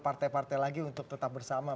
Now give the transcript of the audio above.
partai partai lagi untuk tetap bersama